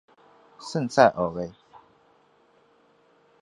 圣萨尔维。